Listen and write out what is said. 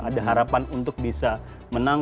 ada harapan untuk bisa menang